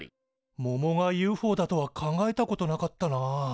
ももがＵＦＯだとは考えたことなかったな。